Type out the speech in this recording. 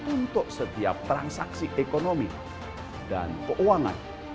untuk setiap transaksi ekonomi dan keuangan